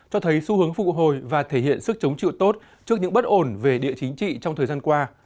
cho thấy xu hướng phụ hồi và thể hiện sức chống chịu tốt trước những bất ổn về địa chính trị trong thời gian qua